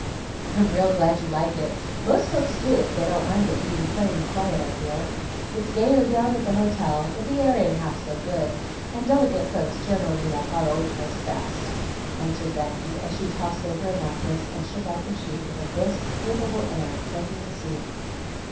"I'm real glad you like it; most folks do, if they don't mind it being plain and quiet up here. It's gayer down at the hotel, but the air ain't half so good, and delicate folks generally like our old place best," answered Becky, as she tossed over a mattress and shook out the sheet with a brisk, capable air pleasant to see.